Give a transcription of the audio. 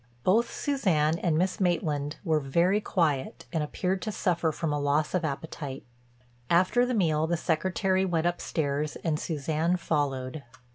Both Suzanne and Miss Maitland were very quiet and appeared to suffer from a loss of appetite. After the meal the Secretary went upstairs and Suzanne followed.